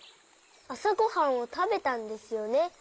あさごはんをたべたんですよね。